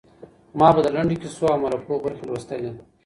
ما به د لنډو کیسو او مرکو برخې لوستلې.